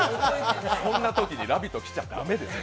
こんなときに「ラヴィット！」来ちゃ駄目です。